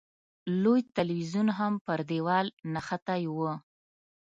لوی تلویزیون هم پر دېوال نښتی و.